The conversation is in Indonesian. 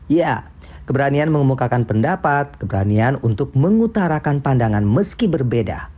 ya keberanian mengemukakan pendapat keberanian untuk mengutarakan pandangan meski berbeda